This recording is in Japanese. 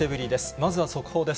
まずは速報です。